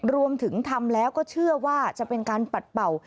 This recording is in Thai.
รวมถึงทำแล้วก็เชื่อว่าจะเป็นการปัดเป่า